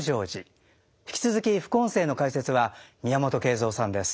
引き続き副音声の解説は宮本圭造さんです。